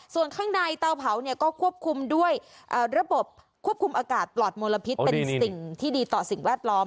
ส่วนข้างในเตาเผาเนี่ยก็ควบคุมด้วยระบบควบคุมอากาศปลอดมลพิษเป็นสิ่งที่ดีต่อสิ่งแวดล้อม